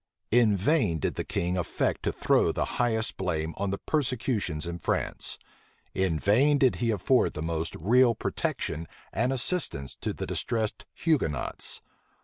In vain did the king affect to throw the highest blame on the persecutions in France: in vain did he afford the most real protection and assistance to the distressed Hugonots.